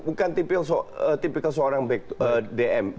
bukan tipikal seorang dm